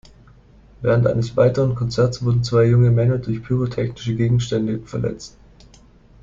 Während eines weiteren Konzerts wurden zwei junge Männer durch pyrotechnische Gegenstände verletzt.